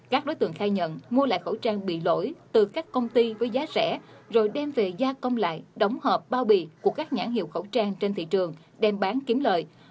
các đối tượng khai nhận mua lại khẩu trang bị lỗi từ các công ty với giá rẻ rồi đem về gia công lại đóng hợp bao bì của các nhãn hiệu khẩu trang trên thị trường đem bán kiếm lời